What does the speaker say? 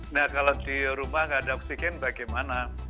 nah kalau di rumah nggak ada oksigen bagaimana